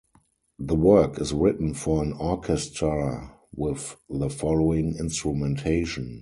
The work is written for an orchestra with the following instrumentation.